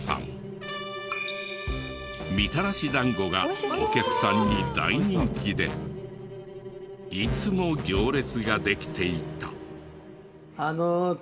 みたらしだんごがお客さんに大人気でいつも行列ができていた。